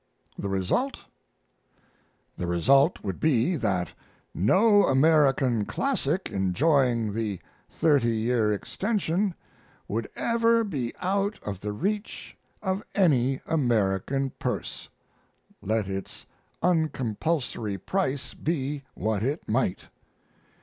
The Result: The result would be that no American classic enjoying the thirty year extension would ever be out of the reach of any American purse, let its uncompulsory price be what it might.